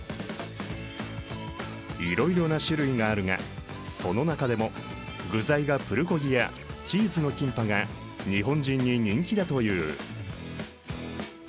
いろいろな種類があるがその中でも具材がプルコギやチーズのキンパが日本人に人気だという。